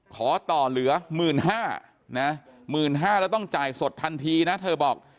ขอต่อเหลือ๑๕๐๐นะ๑๕๐๐แล้วต้องจ่ายสดทันทีนะเธอบอก